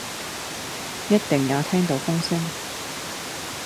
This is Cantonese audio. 一定也聽到風聲，